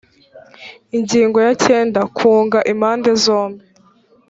ingingo ya cyenda kunga impande zombi